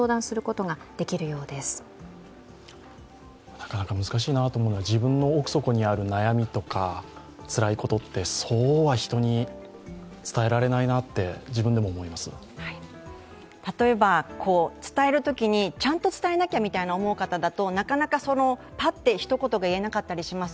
なかなか難しいなと思うのは、自分の奥底にある悩みとかってつらいことって、そうは人に伝えられないなって例えば伝えるときに、ちゃんと伝えなきゃと思う方だとパッと一言が言えなかったりします。